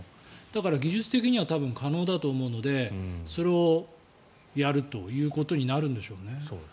だから、技術的には可能だと思うのでそれをやるということになるんでしょうね。